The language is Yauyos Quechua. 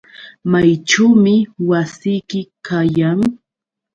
¿Mayćhuumi wasiyki kayan?